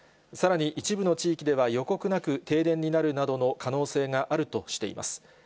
さらに、一部の地域では予告なく停電になるなどの可能性があるとしています。